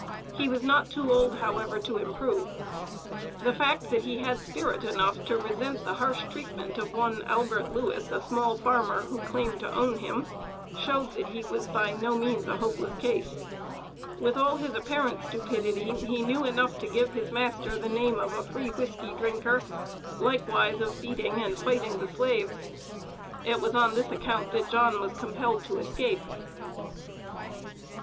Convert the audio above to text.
He was not too old, however, to improve. The fact that he had spirit enough to resent the harsh treatment of one Albert Lewis, a small farmer, who claimed to own him, showed that he was by no means a hopeless case. With all his apparent stupidity he knew enough to give his master the name of a "free whiskey drinker," likewise of "beating and fighting the slaves." It was on this account that John was compelled to escape.